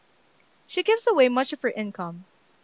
She gives away much of her income.